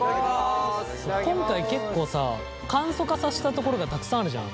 今回結構さ簡素化させたところがたくさんあるじゃん。